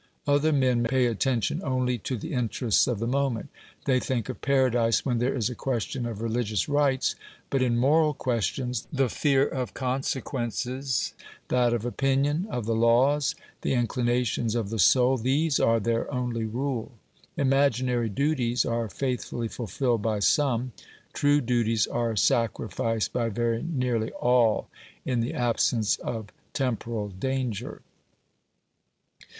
Other men pay attention only to the interests of the moment. They think of paradise when there is a question of religious rites ; but in moral questions the fear of consequences, that of opinion, of the laws, the in clinations of the soul, these are their only rule. Imaginary duties are faithfully fulfilled by some ; true duties are sacri ficed by very nearly all in the absence of temporal danger.